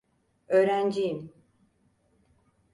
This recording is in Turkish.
Öğrenciyim.